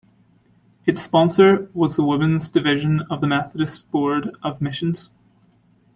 Its sponsor was the Women's Division of the Methodist Board of Missions.